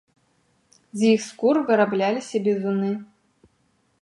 З іх скур вырабляліся бізуны.